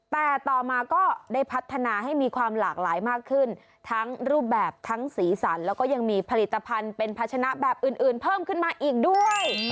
แต่ต่อมาก็ได้พัฒนาให้มีความหลากหลายมากขึ้นทั้งรูปแบบทั้งสีสันแล้วก็ยังมีผลิตภัณฑ์เป็นพัชนะแบบอื่นเพิ่มขึ้นมาอีกด้วย